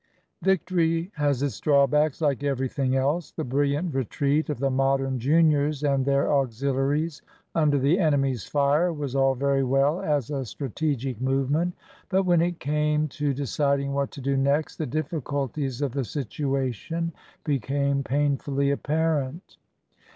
Victory has its drawbacks, like everything else. The brilliant retreat of the Modern juniors and their auxiliaries under the enemy's fire was all very well as a strategic movement. But when it came to deciding what to do next, the difficulties of the situation became painfully apparent.